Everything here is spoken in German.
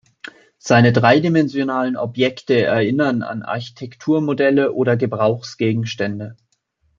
Seine dreidimensionalen Objekte erinnern an Architekturmodelle oder Gebrauchsgegenstände.